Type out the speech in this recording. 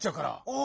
あ！